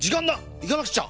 いかなくちゃ！